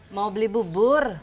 mau beli bubur